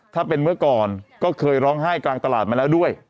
ถ้าเป็นเมื่อก่อนก็เคยร้องไห้กลางตลาดมาแล้วด้วย